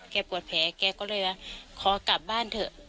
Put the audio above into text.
ปวดแผลแกก็เลยว่าขอกลับบ้านเถอะ